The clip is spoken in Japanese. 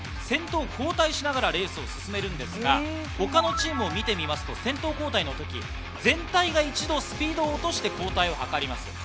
先頭を交代しながらレースを進めるんですが他のチームを見てみますと先頭交代の時、全体が一度スピードを落として後隊を図ります。